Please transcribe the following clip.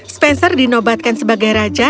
spencer dinobatkan sebagai raja